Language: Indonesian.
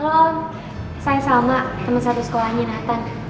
halo saya salma teman satu sekolahnya nathan